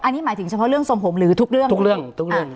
อันนี้หมายถึงเฉพาะเรื่องทรงผมหรือทุกเรื่องทุกเรื่องทุกเรื่อง